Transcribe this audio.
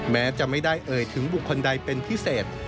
แม้จะไม่ได้เอ่ยถึงบุคคลใดเป็นพิเศษ